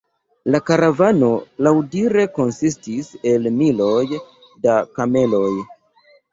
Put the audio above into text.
La karavano laŭdire konsistis el "miloj da kameloj".